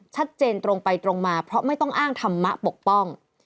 ชัดเจนตรงไปตรงมาเพราะไม่ต้องอ้างธรรมะปกป้อง